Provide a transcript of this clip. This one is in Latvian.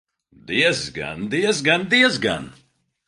Diezgan, diezgan, diezgan!